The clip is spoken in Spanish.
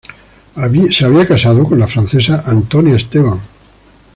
Había casado con la francesa Antonia Esteban.